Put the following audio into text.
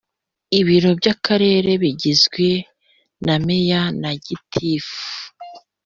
Ibiro by akarere bigizwe na meya na gitifu